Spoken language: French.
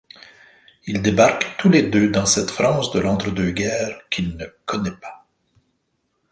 Ils débarquent tous les deux dans cette France de l'entre-deux-guerres qu’il ne connaît pas.